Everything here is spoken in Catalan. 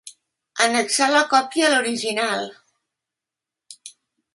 Annexar la còpia a l'original.